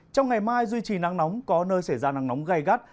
trong ngày mai duy trì nắng nóng có nơi xảy ra nắng nóng gai gắt